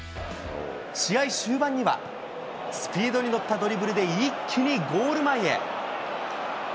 試合終盤には、スピードに乗ったドリブルで一気にゴール前へ。